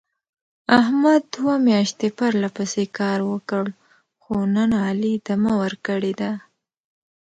احمد دوه میاشتې پرله پسې کار وکړ. خو نن علي دمه ور کړې ده.